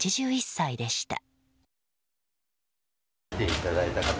８１歳でした。